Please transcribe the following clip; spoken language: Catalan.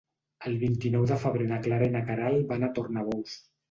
El vint-i-nou de febrer na Clara i na Queralt van a Tornabous.